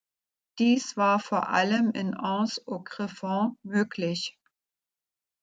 Dies war vor allem in "Anse au Griffon" möglich.